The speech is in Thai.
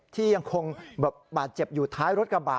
ที่ยังคงบาดเจ็บอยู่ท้ายรถกระบะ